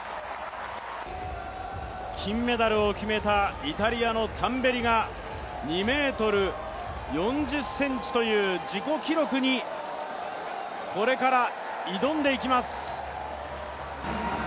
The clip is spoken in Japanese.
金メダルを決めたイタリアのタンベリが２ｍ４０ｃｍという自己記録にこれから挑んでいきます。